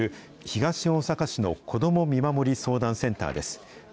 東大阪市の子ども見守り相談センターです。